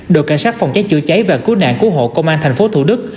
đội cảnh sát phòng cháy chữa cháy và cứu nạn cứu hộ công an tp thủ đức